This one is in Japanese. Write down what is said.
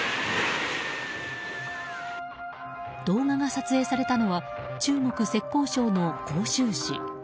動画が撮影されたのは中国・浙江省の杭州市。